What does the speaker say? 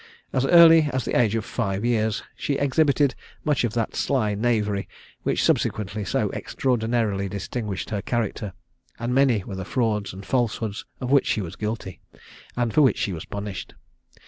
As early as at the age of five years, she exhibited much of that sly knavery, which subsequently so extraordinarily distinguished her character; and many were the frauds and falsehoods, of which she was guilty, and for which she was punished.